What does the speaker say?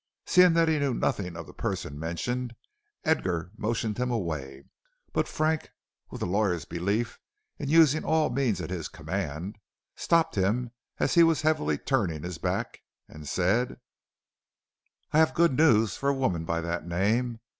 Seeing that he knew nothing of the person mentioned, Edgar motioned him away, but Frank, with a lawyer's belief in using all means at his command, stopped him as he was heavily turning his back and said: "I have good news for a woman by that name.